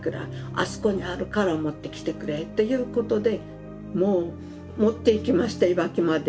「あそこにあるから持ってきてくれ」ということでもう持っていきましたいわきまで。